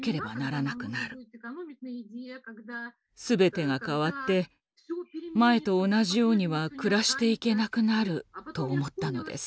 全てが変わって前と同じようには暮らしていけなくなると思ったのです。